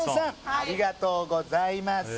ありがとうございます